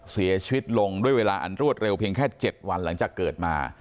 เสียชีวิตลงด้วยเวลาอันรวดเร็วเพียงแค่๗วันหลังจากเกิดมา